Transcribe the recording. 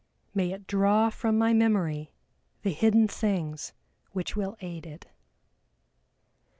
May it draw from my memory the hidden things which will aid it!"